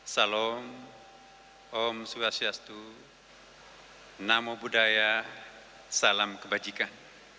salam om swastiastu namo buddhaya salam kebajikan